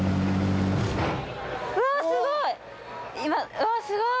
うわぁすごい！